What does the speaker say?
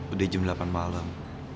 udah jam delapan malam